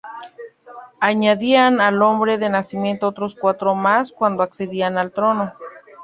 Añadían al nombre de nacimiento otros cuatro más cuando accedían al trono.